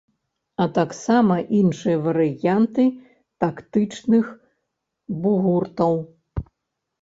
А таксама іншыя варыянты тактычных бугуртаў.